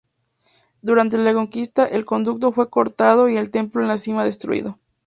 Durante la conquista el acueducto fue cortado y el templo en la cima destruido.